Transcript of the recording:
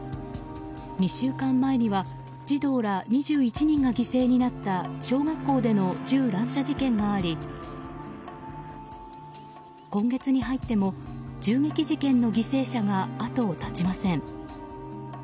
２週間前には児童ら２１人が犠牲になった小学校での銃乱射事件があり今月に入っても銃撃事件の犠牲者が後を絶ちません。